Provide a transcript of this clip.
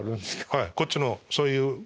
はいこっちのそういう。